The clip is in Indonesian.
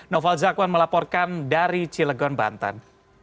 noval zakwan melaporkan dari cilegon banten